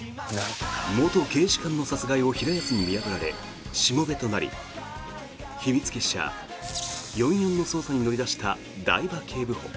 元警視監の殺害を平安に見破られ、しもべとなり秘密結社４４の捜査に乗り出した台場警部補。